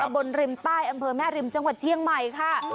บนริมใต้อำเภอแม่ริมจังหวัดเชียงใหม่ค่ะ